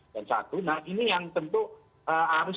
dan satu nah ini yang tentu harus